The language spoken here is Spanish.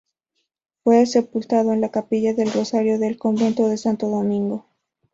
Fue sepultado en la capilla del Rosario, del convento de Santo Domingo.